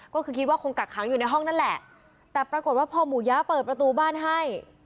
ก็คือคิดว่าคงกักขังอยู่ในห้องนั่นแหละแต่ปรากฏว่าพอหมูยะเปิดประตูบ้านให้